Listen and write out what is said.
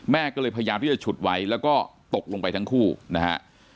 แม่ก็เลยพยายามที่จะฉุดไว้แล้วก็ตกลงไปทั้งคู่นะฮะ